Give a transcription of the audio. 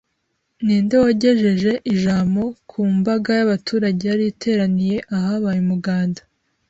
Ni inde wagejeje ijamo ku mbaga y’abaturage yari iteraniye ahabaye umuganda